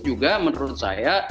juga menurut saya